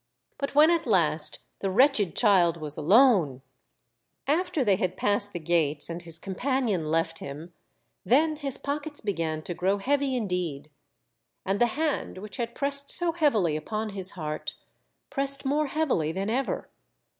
But when at last the wretched child was alone ! After they had passed the gates and his compan ion left him, then his pockets began to grow heavy indeed. And the hand which had pressed so heavily upon his heart, pressed more heavily than ever.